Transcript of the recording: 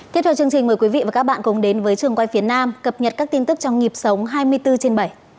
tiếp theo chương trình mời quý vị và các bạn cùng đến với trường quay phía nam cập nhật các tin tức trong nhịp sống hai mươi bốn trên bảy